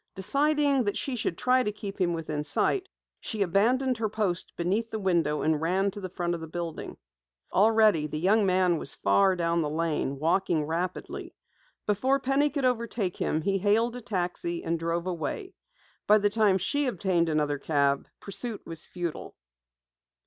Deciding that she should try to keep him within sight, she abandoned her post beneath the window and ran to the front of the building. Already the young man was far down the lane, walking rapidly. Before Penny could overtake him he hailed a taxi and drove away. By the time she obtained another cab, pursuit was futile.